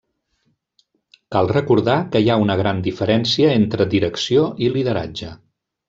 Cal recordar que hi ha una gran diferència entre direcció i lideratge.